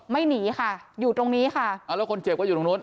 หนีค่ะอยู่ตรงนี้ค่ะอ่าแล้วคนเจ็บก็อยู่ตรงนู้น